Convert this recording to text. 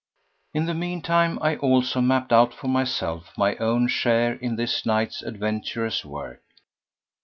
In the meantime I also mapped out for myself my own share in this night's adventurous work.